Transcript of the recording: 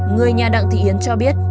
người nhà đặng thị yến cho biết